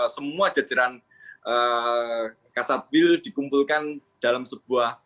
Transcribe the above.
semua jajaran kasat wil dikumpulkan dalam sebuah